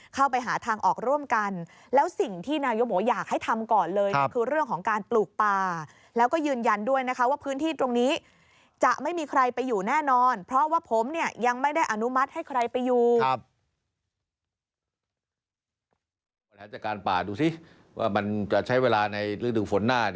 ดูสิว่ามันจะใช้เวลาในเรื่องถึงฝนหน้า